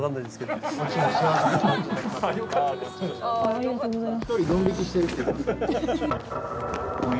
ありがとうございます。